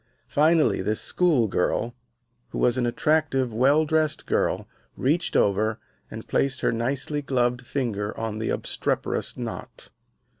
Finally this school girl, who was an attractive, well dressed girl, reached over and placed her nicely gloved finger on the obstreperous knot.